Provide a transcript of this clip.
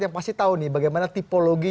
yang pasti tahu nih bagaimana tipologi